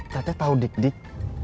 teteh tau dik dik